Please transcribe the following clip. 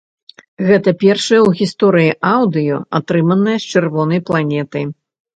Гэта першае ў гісторыі аўдыё, атрыманае з чырвонай планеты.